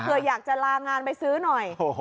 เพื่ออยากจะลางานไปซื้อหน่อย